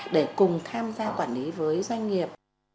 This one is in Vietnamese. để cùng tham gia quản lý với doanh nghiệp